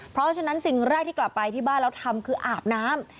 เพราะฉะนั้นสิ่งแรกที่กลับไปที่บ้านแล้วทำคืออาบน้ำ